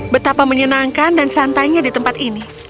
betapa menyenangkan dan santainya di tempat ini